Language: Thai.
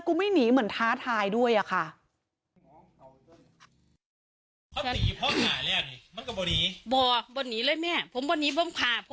ไม่หนีเหมือนท้าทายด้วยอะค่ะ